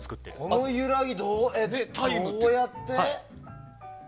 この揺らぎ、どうやって？